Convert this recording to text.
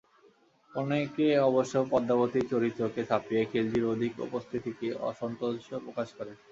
অনেকে অবশ্য পদ্মাবতীর চরিত্রকে ছাপিয়ে খিলজির অধিক উপস্থিতিতে অসন্তোষও প্রকাশ করেন।